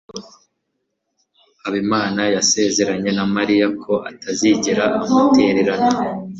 habimana yasezeranyije mariya ko atazigera amutererana